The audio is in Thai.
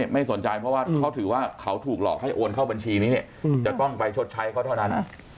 ไม่สนใจเพราะว่าเขาถือว่าเขาถูกหลอกให้โอนเข้าบัญชีนี้จะต้องไปชดใช้เขาเท่านั้น